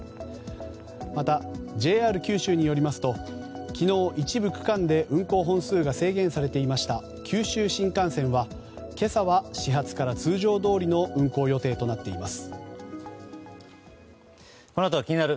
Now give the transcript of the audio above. またＪＲ九州によりますと昨日、一部区間で運行本数が制限されていました九州新幹線は今朝は始発から通常どおりの運行予定となっています。